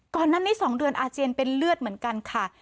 ตอนนั้นใน๒เดือนอาเจียนเป็นเลือดเหมือนกันค่ะ